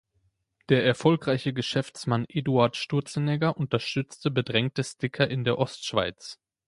Der erfolgreiche Geschäftsmann Eduard Sturzenegger unterstützte bedrängte Sticker in der Ostschweiz.